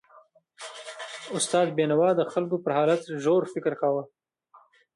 استاد بینوا د خلکو پر حالت ژور فکر کاوه.